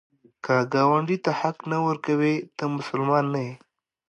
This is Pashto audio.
که ګاونډي ته حق نه ورکوې، ته مسلمان نه یې